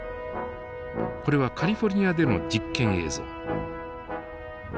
これはカリフォルニアでの実験映像。